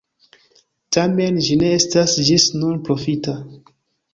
Tamen, ĝi ne estas ĝis nun profita.